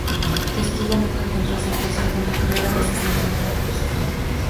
Testudo nunca encontró aceptación, por lo que rara vez es mencionada por los astrónomos.